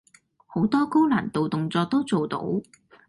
好多高難度動作都做到